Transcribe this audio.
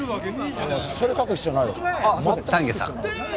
それ書く必要ないよ丹下さん